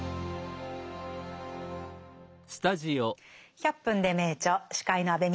「１００分ｄｅ名著」司会の安部みちこです。